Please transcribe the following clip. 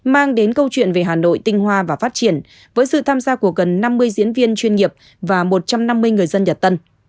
mang đến câu chuyện về hà nội tinh hoa và phát triển với sự tham gia của gần năm mươi diễn viên chuyên nghiệp và một trăm năm mươi người dân nhật tân